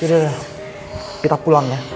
yaudah kita pulang ya